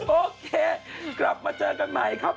โอเคกลับมาเจอกันใหม่ครับ